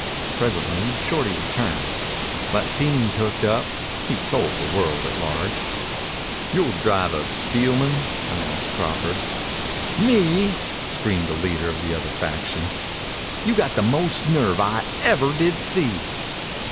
Presently Shorty returned. "That team's hooked up," he told the world at large. "You'll drive us, Steelman," announced Crawford. "Me!" screamed the leader of the other faction. "You got the most nerve I ever did see."